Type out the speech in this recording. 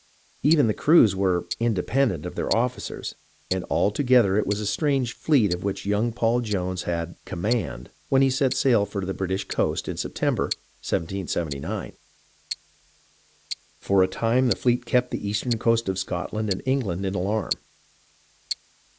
Even the crews were " independent " of their officers, and all together it was a strange "fleet" of which young Paul Jones had "command" when he set sail for the British coast in September, 1779. For a time the fleet kept the eastern coast of Scotland and England in alarm.